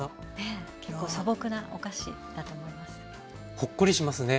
ほっこりしますね。